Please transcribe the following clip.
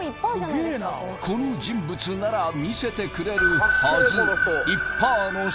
この人物なら見せてくれるはず